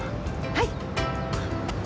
はい。